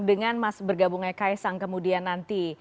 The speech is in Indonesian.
dengan mas bergabungnya kay sang kemudian nanti